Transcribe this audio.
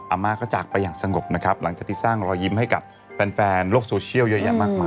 อาม่าก็จากไปอย่างสงบนะครับหลังจากที่สร้างรอยยิ้มให้กับแฟนโลกโซเชียลเยอะแยะมากมาย